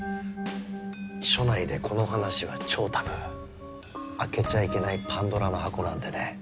署内でこの話は超タブー開けちゃいけないパンドラの箱なんでね。